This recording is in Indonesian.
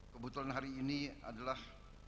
kebetulan hari ini adalah